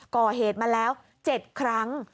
ก่อเหตุมาแล้ว๗ครั้ง